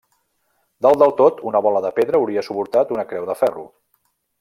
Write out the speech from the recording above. Dalt de tot una bola de pedra hauria suportat una creu de ferro.